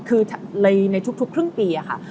คือในทุกครึ่งปีค่ะ